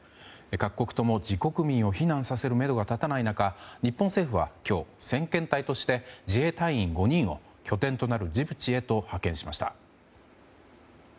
各国とも自国民を避難させるめどが立たない中日本政府は今日、先遣隊として自衛隊員５人を拠点となるジブチへと派遣しました。